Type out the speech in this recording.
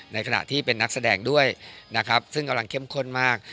ขณะที่เป็นนักแสดงด้วยนะครับซึ่งกำลังเข้มข้นมาก